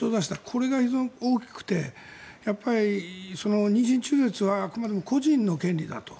これが非常に大きくてやっぱり妊娠中絶はあくまでも個人の権利だと。